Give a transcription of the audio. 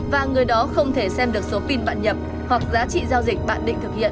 và người đó không thể xem được số pin bạn nhập hoặc giá trị giao dịch bạn định thực hiện